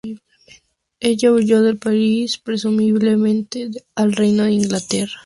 Ella huyó del país, presumiblemente al Reino de Inglaterra.